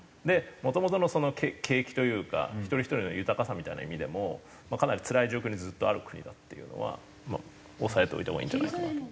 もともとの景気というか１人１人の豊かさみたいな意味でもかなりつらい状況にずっとある国だっていうのはまあ押さえておいたほうがいいんじゃないかなと。